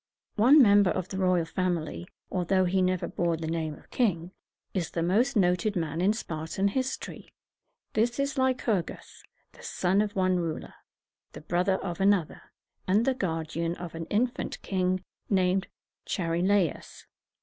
One member of the royal family, although he never bore the name of king, is the most noted man in Spartan history. This is Ly cur´gus, the son of one ruler, the brother of another, and the guardian of an infant king named Char i la´us.